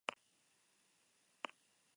Dará lugar así mismo a un libro del mismo nombre.